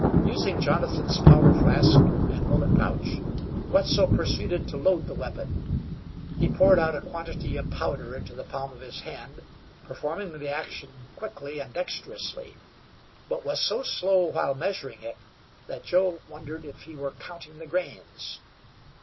Using Jonathan's powder flask and bullet pouch, Wetzel proceeded to load the weapon. He poured out a quantity of powder into the palm of his hand, performing the action quickly and dexterously, but was so slow while measuring it that Joe wondered if he were counting the grains.